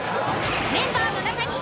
メンバーの中に。